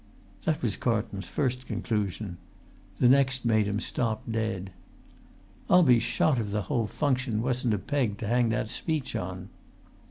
That was Carlton's first conclusion. The next made him stop dead. "I'll be shot if the whole function wasn't a peg to hang that speech on!"